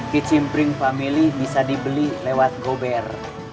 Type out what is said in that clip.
kicimpring family bisa dibeli lewat gober